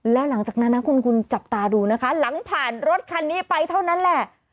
แล้วหลังจากนั้นนะคุณจับตาดูนะคะหลังผ่านรถคันนี้ไปเท่านั้นแหละ